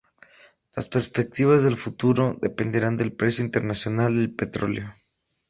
Las perspectivas de futuro dependerán del precio internacional del petróleo.